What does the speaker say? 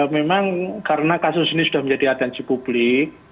memang karena kasus ini sudah menjadi atensi publik